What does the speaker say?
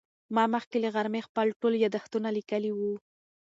ما مخکې له غرمې خپل ټول یادښتونه لیکلي وو.